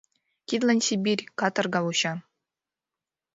— Тидлан Сибирь, каторга вуча.